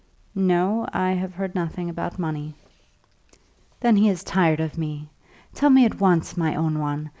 "No; I have heard nothing about money." "Then he is tired of me. Tell me at once, my own one.